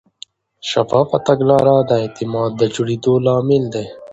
شفافه تګلاره د اعتماد د جوړېدو لامل ده.